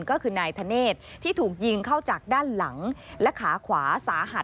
ก็คือนายธเนธที่ถูกยิงเข้าจากด้านหลังและขาขวาสาหัส